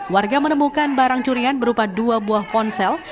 warga menemukan barang curian berupa dua buah ponsel